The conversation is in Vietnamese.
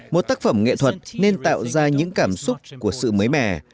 một tác phẩm nghệ thuật nên tạo ra những cảm xúc của sự mới mẻ